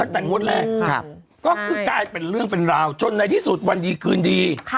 งวดแรกก็คือกลายเป็นเรื่องเป็นราวจนในที่สุดวันดีคืนดี